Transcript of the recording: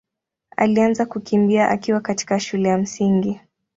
alianza kukimbia akiwa katika shule ya Msingi.